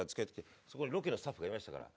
そこにロケのスタッフがいましたから。